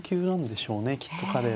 きっと彼。